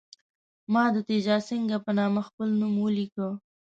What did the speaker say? ما د تیجاسینګه په نامه خپل نوم ولیکه.